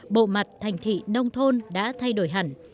bộ mặt thành thị nông thôn đã thay đổi hẳn